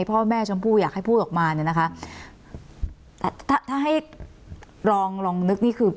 พ่อแม่ชมพู่อยากให้พูดออกมาเนี่ยนะคะแต่ถ้าถ้าให้ลองลองนึกนี่คือ